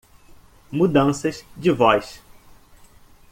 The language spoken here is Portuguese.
Mudanças de voz